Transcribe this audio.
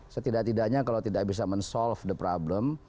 setidak tidaknya kalau tidak bisa men solve the problem